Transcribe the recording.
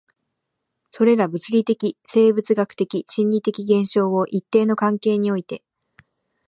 それら物理的、生物学的、心理的現象を一定の関係において